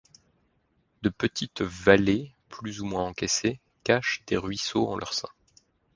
De petites vallées plus ou moins encaissées cachent des ruisseaux en leur sein.